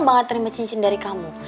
banget terima cincin dari kamu